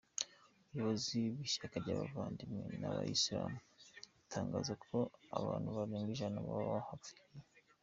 Ubuyobozi bw’ishyaka ry’abavandimwe b’Abayisilamu ritangaza ko abantu barenga ijana bahapfiriye.